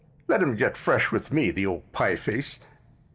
Let him get fresh with me, the ole pieface!"